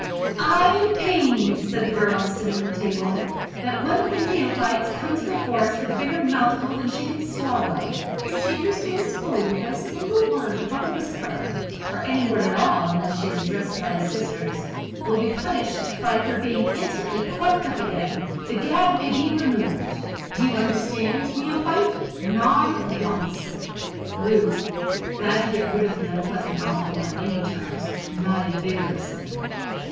"I am pained," said the girl sitting on the table, "that one of the neophytes comes before us with a bigger mouthful than she can swallow. If she understands fully that a single word above a whisper or any word at all unless she is addressed by the Sisters will be punished by her being instantly corked up again, the gag may be removed. Do you understand, Neophyte? Nod once!" Ruth, glad to get rid of the unpleasant mouthful on any terms, nodded vigorously.